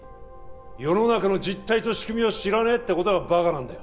世の中の実態と仕組みを知らねえってことがバカなんだよ